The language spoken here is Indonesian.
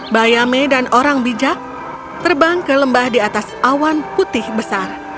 bayame dan orang bijak terbang ke lembah di atas awan putih besar